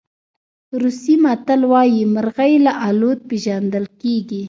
روسي متل وایي مرغۍ له الوت پېژندل کېږي.